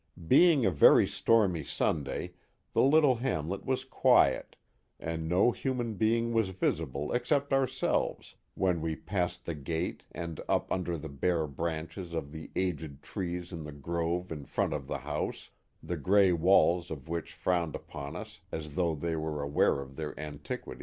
Being a very stormy Sunday the little hamlet was quiet, and no human being was visible except ourselves when we passed the gate and up under the bare branches of the aged trees in the grove in front of the house, the gray walls of which frowned upon us as though they were aware of their antiquity.